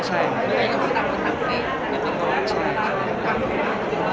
การพูดกลับมาท่าน